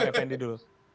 pak effendi dulu